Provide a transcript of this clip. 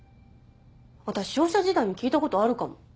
私商社時代に聞いたことあるかも。